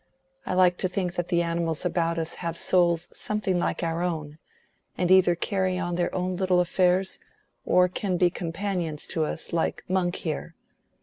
I like to think that the animals about us have souls something like our own, and either carry on their own little affairs or can be companions to us, like Monk here.